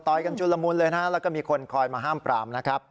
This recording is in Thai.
กันชุลมุนเลยนะฮะแล้วก็มีคนคอยมาห้ามปรามนะครับ